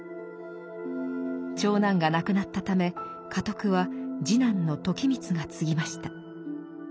長男が亡くなったため家督は次男の時光が継ぎました。